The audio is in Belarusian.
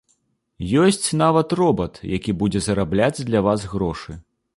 Ёсць нават робат які будзе зарабляць для вас грошы.